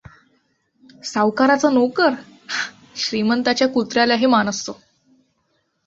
सावकाराचा नोकर! श्रीमंताच्या कुत्र्यालाही मान असतो.